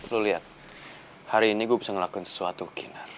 lo liat hari ini gue bisa ngelakuin sesuatu kinar